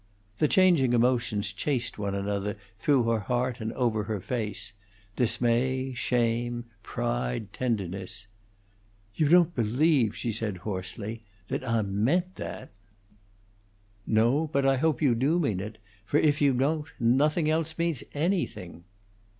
The changing emotions chased one another through her heart and over her face: dismay, shame, pride, tenderness. "You don't believe," she said, hoarsely, "that Ah meant that?" "No, but I hope you do mean it; for if you don't, nothing else means anything."